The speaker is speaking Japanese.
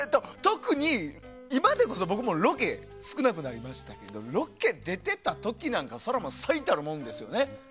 今でこそ僕もロケ少なくなりましたけどロケ出てた時は最たるもんですよね。